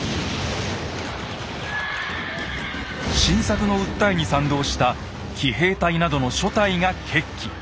晋作の訴えに賛同した奇兵隊などの諸隊が決起。